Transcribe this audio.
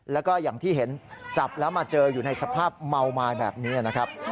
แล้วก็อย่างที่เห็นจับแล้วมาเจออยู่ในสภาพเมาไม้แบบนี้นะครับ